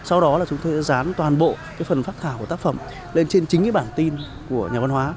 sau đó là chúng tôi sẽ dán toàn bộ phần phát thảo của tác phẩm lên trên chính bảng tin của nhà văn hóa